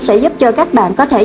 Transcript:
sẽ giúp cho các bạn có thể